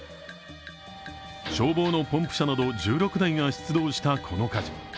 消防のポンプ車など１６台が出動したこの火事。